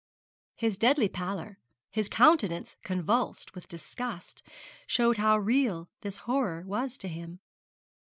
His deadly pallor, his countenance convulsed with disgust, showed how real this horror was to him.